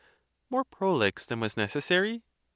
More prolix than was necessary?